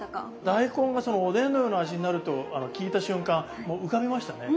大根がおでんのような味になると聞いた瞬間浮かびましたね。